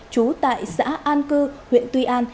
trú tại xã an cư huyện tuy an